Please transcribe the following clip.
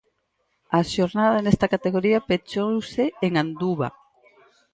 A xornada nesta categoría pechouse en Anduva.